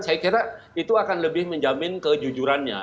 saya kira itu akan lebih menjamin kejujurannya